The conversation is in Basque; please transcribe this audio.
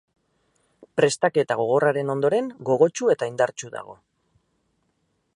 Prestaketa gogorraren ondoren, gogotsu eta indartsu dago.